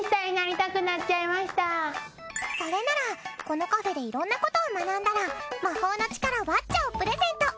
それならこのカフェでいろんなことを学んだら魔法のちからワッチャ！をプレゼント。